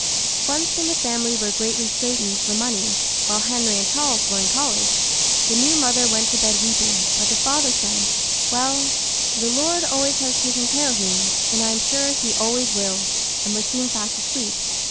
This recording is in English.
Once when the family were greatly straitened for money, while Henry and Charles were in college, the new mother went to bed weeping, but the father said, "Well, the Lord always has taken care of me, and I am sure He always will," and was soon fast asleep.